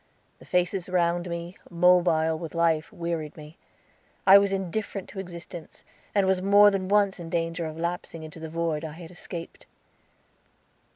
The faces round me, mobile with life, wearied me. I was indifferent to existence, and was more than once in danger of lapsing into the void I had escaped.